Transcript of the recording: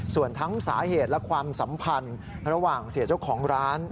ส่วนทั้งสาเหตุและความสัมพันธ์ระหว่างเสียเจ้าของร้าน